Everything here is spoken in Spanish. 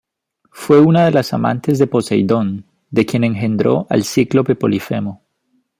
Fue una de las amantes de Poseidón, de quien engendró al cíclope Polifemo.